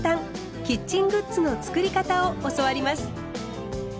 キッチングッズの作り方を教わります。